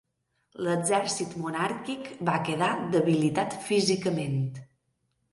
L'exèrcit monàrquic va quedar debilitat físicament.